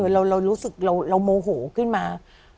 เรารู้สึกเราโมโหขึ้นมา